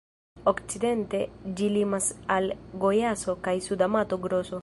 Okcidente ĝi limas al Gojaso kaj Suda Mato-Groso.